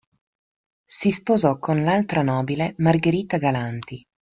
Si sposò con l'altra nobile Margherita Galanti.